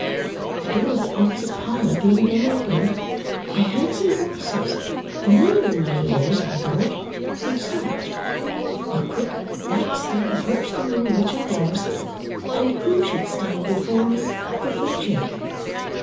The door of the opposite parlour being then opened, I heard some voices, familiar in my ears I thought, which stopped. A quick light step approached the room in which I was, and who should stand before me but Richard!